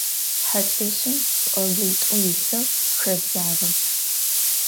Хьакӏэщым пӏоблитӏу илъэу хэбзагъэ.